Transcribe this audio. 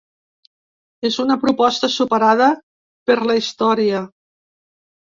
És una proposta superada per la història.